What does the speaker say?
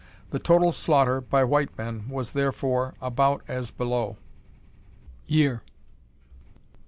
The total slaughter by white men was therefore about as below: ++ |Year.